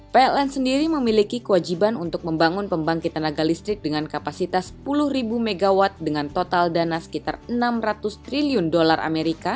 pln sendiri memiliki kewajiban untuk membangun pembangkit tenaga listrik dengan kapasitas sepuluh mw dengan total dana sekitar enam ratus triliun dolar amerika